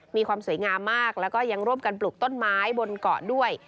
มีความสวยงามมากแล้วก็ยังร่วมกันปลูกต้นไม้บนเกาะด้วย